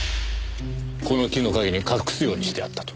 この木の陰に隠すようにしてあったと。